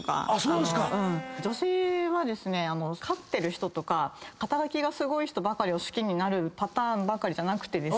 女性は勝ってる人とか肩書がすごい人ばかり好きになるパターンばかりじゃなくて。